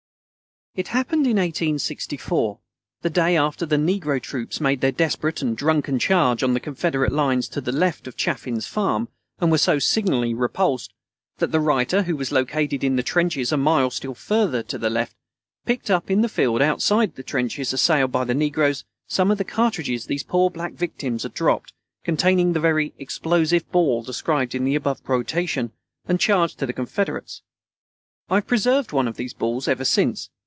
It happened in 1864, the day after the negro troops made their desperate and drunken charge on the Confederate lines to the left of Chaffin's farm and were so signally repulsed, that the writer, who was located in the trenches a mile still further to the left, picked up, in the field outside the trenches assailed by the negroes, some of the cartridges these poor black victims had dropped, containing the very "explosive" ball described in the above quotation and charged to the Confederates. I have preserved one of these balls ever since.